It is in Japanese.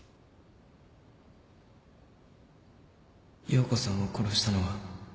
葉子さんを殺したのは